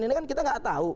ini kan kita gak tau